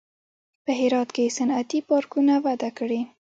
په هرات کې صنعتي پارکونه وده کړې